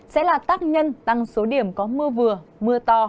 sẽ là tác nhân tăng số điểm có mưa vừa mưa to